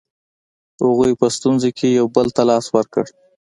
هغوی په ستونزو کې یو بل ته لاس ورکړ.